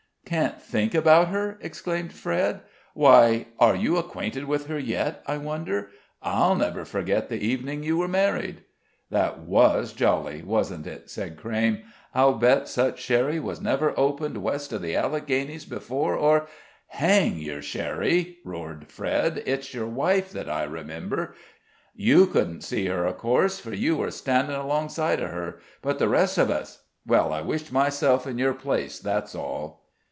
"Can't think about her!" exclaimed Fred; "why, are you acquainted with her yet, I wonder? I'll never forget the evening you were married." "That was jolly, wasn't it?" said Crayme. "I'll bet such sherry was never opened west of the Alleghanies before or " "Hang your sherry!" roared Fred; "it's your wife that I remember. You couldn't see her, of course, for you were standing alongside of her; but the rest of us well, I wished myself in your place, that's all."